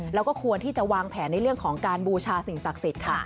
แล้วก็ควรที่จะวางแผนในเรื่องของการบูชาสิ่งศักดิ์สิทธิ์ค่ะ